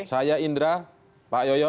saya indra pak yoyo